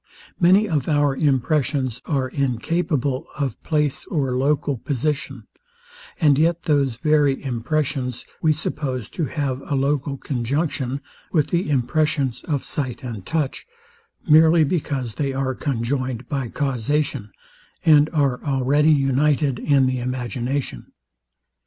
Many of our impressions are incapable of place or local position; and yet those very impressions we suppose to have a local conjunction with the impressions of sight and touch, merely because they are conjoined by causation, and are already united in the imagination.